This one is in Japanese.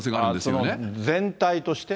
その全体として？